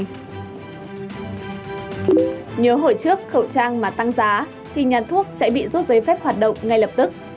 nhớ hồi trước khẩu trang mà tăng giá thì nhà thuốc sẽ bị rút giấy phép hoạt động ngay lập tức